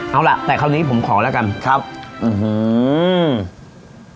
เอาล่ะแต่คราวนี้ผมขอแล้วกันครับอื้อหือ